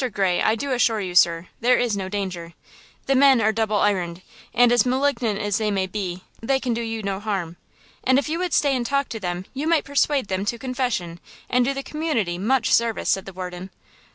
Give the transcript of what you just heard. Gray, I do assure you, sir, there is no danger! The men are double ironed, and, malignant as they may be, they can do you no harm. And if you would stay and talk to them you might persuade them to confession and do the community much service," said the warden.